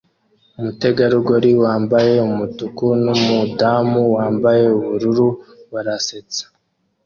Umutegarugori wambaye umutuku numudamu wambaye ubururu barasetsa